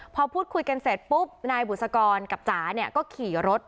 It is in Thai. พอพูดคุยกันเสร็จปุ๊บนายบุษกรกับจ๋าเนี่ยก็ขี่รถ